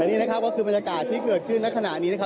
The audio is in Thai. นี่นะครับก็คือบรรยากาศที่เกิดขึ้นในขณะนี้นะครับ